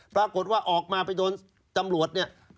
ปรากฏว่าออกมาไปโดนตำรวจเนี่ย